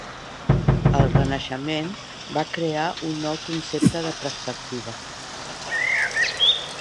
El Renaixement va crear un nou concepte de perspectiva.